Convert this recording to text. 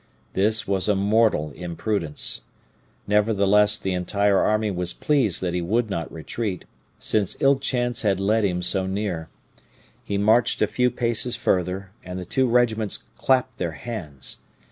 This was a mortal imprudence. Nevertheless the entire army was pleased that he would not retreat, since ill chance had led him so near. He marched a few paces further, and the two regiments clapped their hands.